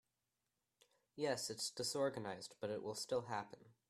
Yes, it’s disorganized but it will still happen.